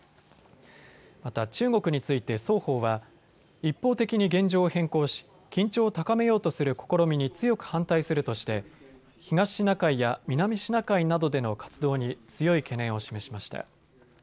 また、中国について双方は一方的に現状を変更し緊張を高めようとする試みに強く反対するとして東シナ海や南シナ海などでの活動に強い懸念を示しました。